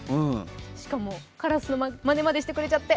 しかもからすのまねまでしてくれちゃって。